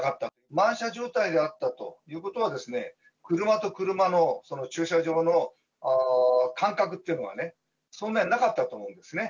満車状態だったということは、車と車の駐車場の感覚っていうのが、そんなになかったと思うんですね。